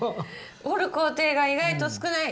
折る工程が意外と少ない。